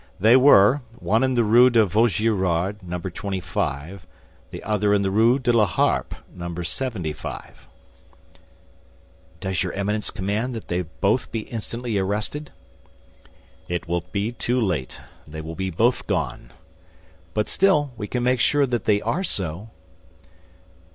They were, one in the Rue de Vaugirard, No. 25; the other in the Rue de la Harpe, No. 75." "Does your Eminence command that they both be instantly arrested?" "It will be too late; they will be gone." "But still, we can make sure that they are so."